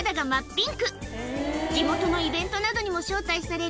ピンク地元のイベントなどにも招待される